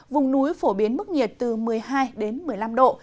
vùng núi phổ biến mức nhiệt từ một mươi hai đến một mươi năm độ